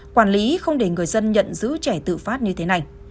quản lý không để người dân nhận giữ trẻ tự phát như thế này